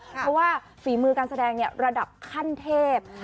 เพราะว่าฝีมือการแสดงระดับขั้นเทพ